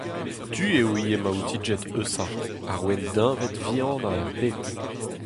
Du eo ivez maoutiged Eusa, ar ouenn deñved vihanañ er bed.